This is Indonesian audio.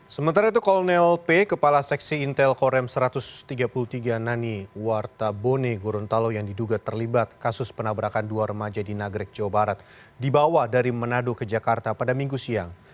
sementara itu kolonel p kepala seksi intel korem satu ratus tiga puluh tiga nani warta bone gorontalo yang diduga terlibat kasus penabrakan dua remaja di nagrek jawa barat dibawa dari manado ke jakarta pada minggu siang